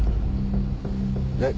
えっ！？